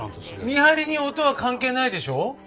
見張りに音は関係ないでしょ？